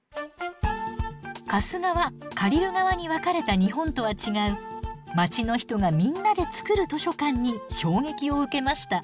貸す側借りる側に分かれた日本とは違う街の人がみんなで作る図書館に衝撃を受けました。